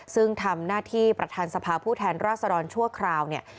ซึ่งทำหน้าที่ประธานสภาผู้แทนราษฎรชั่วคราวเนี่ย